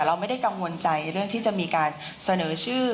เราไม่ได้กังวลใจเรื่องที่จะมีการเสนอชื่อ